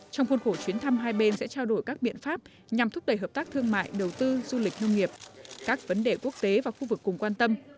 trong khuôn khổ chuyến thăm hai bên sẽ trao đổi các biện pháp nhằm thúc đẩy hợp tác thương mại đầu tư du lịch nông nghiệp các vấn đề quốc tế và khu vực cùng quan tâm